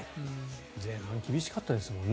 前半厳しかったですもんね